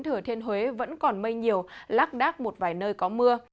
thừa thiên huế vẫn còn mây nhiều lác đác một vài nơi có mưa